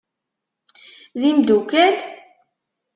D imdukal?